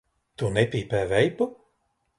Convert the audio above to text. Tu nepīpē veipu?